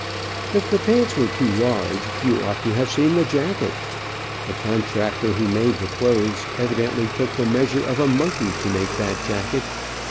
If the pants were too large, you ought to have seen the jacket. The contractor who made the clothes evidently took the measure of a monkey to make that jacket.